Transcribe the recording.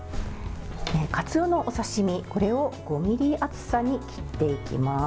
かつおのお刺身、これを５ｍｍ厚さに切っていきます。